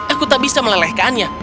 aku tak bisa melelehkannya